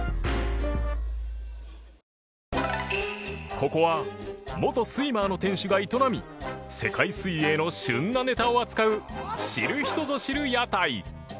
ここは元スイマーの店主が営み世界水泳の旬なネタを扱う知る人ぞ知る屋台